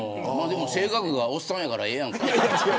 でも性格がおっさんやからええやんか。